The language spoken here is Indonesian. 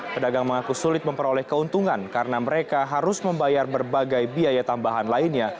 pedagang mengaku sulit memperoleh keuntungan karena mereka harus membayar berbagai biaya tambahan lainnya